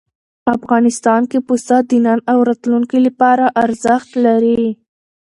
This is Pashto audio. افغانستان کې پسه د نن او راتلونکي لپاره ارزښت لري.